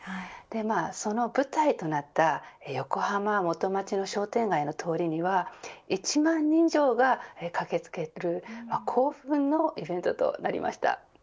その舞台となった横浜、元町の商店街の通りには１万人以上が駆け付ける興奮のイベントとなりました。